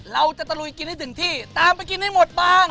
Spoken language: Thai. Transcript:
ตะลุยกินให้ถึงที่ตามไปกินให้หมดบ้าง